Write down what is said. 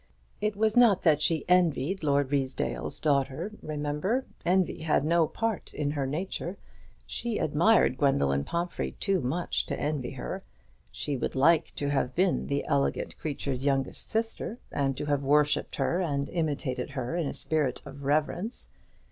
It was not that she envied Lord Ruysdale's daughter, remember; envy had no part in her nature. She admired Gwendoline Pomphrey too much to envy her. She would like to have been that elegant creature's youngest sister, and to have worshipped her and imitated her in a spirit of reverence.